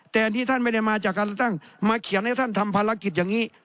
แต่อันนี้ท่านไม่ได้มาจากการเลือกตั้งมาเขียนให้ท่านทำภารกิจอย่างนี้